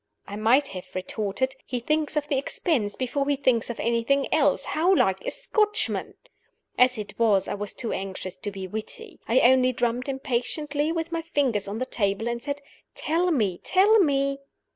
I might have retorted, "He thinks of the expense before he thinks of anything else. How like a Scotchman!" As it was, I was too anxious to be witty. I only drummed impatiently with my fingers on the table, and said, "Tell me! tell me!"